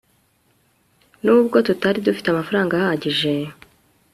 nubwo tutari dufite amafaranga ahagije